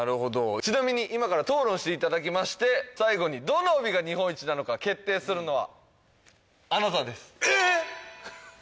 ちなみに今から討論していただきまして最後にどの帯が日本一なのか決定するのはあなたですえーっ！